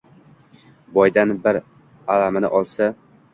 Boydan bir alamini olsa